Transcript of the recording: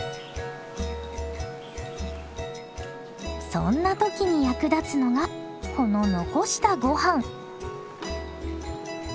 そんな時に役立つのがこの残したご飯！